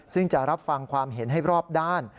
ซึ่งจะรับฟังความเห็นให้รอบด้าน